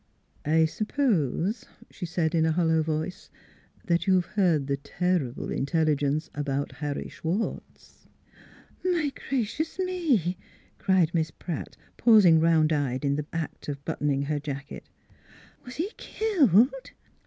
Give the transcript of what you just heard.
" I suppose," she said in a hollow voice, " that you've heard the ter rible intelligence about Har ry Schwartz?" " My gracious me !" cried Miss Pratt, pausing round eyed in the act of buttoning her jacket. "Was he killed?"